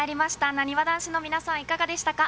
なにわ男子の皆さん、いかがでしたか。